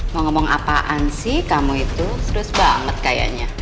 mau ngomong apaan sih kamu itu serius banget kayaknya